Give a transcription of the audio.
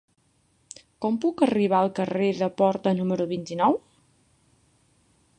Com puc arribar al carrer de Porta número vint-i-nou?